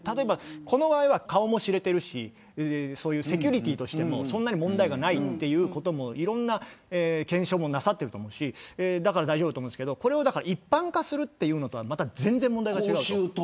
この場合は顔も知れているしセキュリティーとしてもそんなに問題がないということもいろんな検証もされていると思うし大丈夫だと思うんですけどこれを一般化するのとは全然問題が違う。